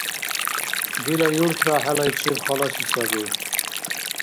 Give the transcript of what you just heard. – Дила юртра хӀелайчиб халаси саби.